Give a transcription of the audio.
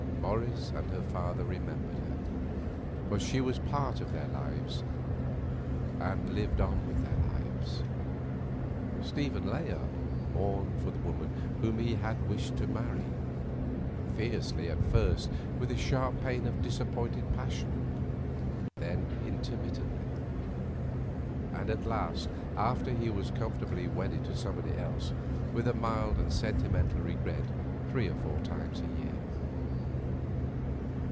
Morris and her father remembered her, for she was part of their lives and lived on with their lives. Stephen Layard mourned for the woman whom he had wished to marry—fiercely at first, with the sharp pain of disappointed passion; then intermittently; and at last, after he was comfortably wedded to somebody else, with a mild and sentimental regret three or four times a year.